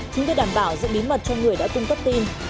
chính quyền đảm bảo giữ bí mật cho người đã tung tắt tin